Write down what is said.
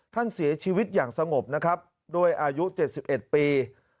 ท่านเสียชีวิตอย่างสงบนะครับด้วยอายุ๗๑ปี